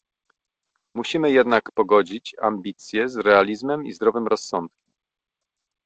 Musimy jednak pogodzić ambicje z realizmem i zdrowym rozsądkiem